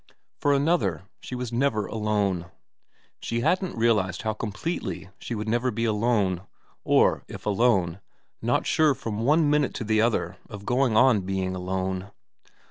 For another she was never alone. She hadn't realised how completely she would never be alone, or, if alone, not sure for one minute to the other of going on being alone.